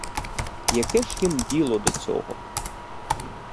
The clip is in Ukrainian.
Яке ж їм діло до цього?